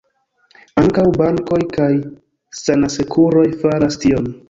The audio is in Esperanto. Ankaŭ bankoj kaj sanasekuroj faras tion.